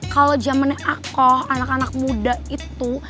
kalau zamannya akoh anak anak muda itu